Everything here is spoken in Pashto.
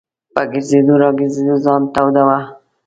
په ګرځېدو را ګرځېدو ځان توداوه.